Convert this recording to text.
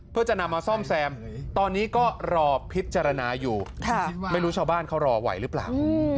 เพื่อจะนำมาซ่อมแซมตอนนี้ก็รอพิจารณาอยู่ไม่รู้ชาวบ้านเขารอไหวหรือเปล่า